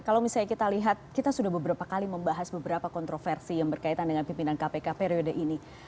kalau misalnya kita lihat kita sudah beberapa kali membahas beberapa kontroversi yang berkaitan dengan pimpinan kpk periode ini